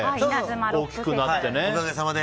大きくなってね。